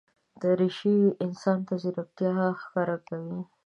دریشي انسان ته ځیرکتیا ښکاره کوي.